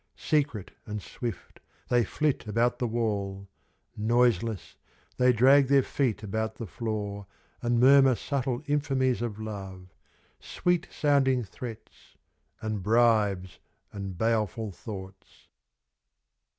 Secret and swift they flit about the wall ; Noiseless, they drag their feet about the floor And murmur subtle infamies of love, Sweet sounding threats, and bribes and baleful thoughts.